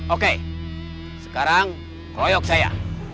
oke sekarang royok saya